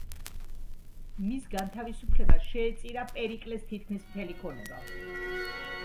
მის განთავისუფლებას შეეწირა პერიკლეს თითქმის მთელი ქონება.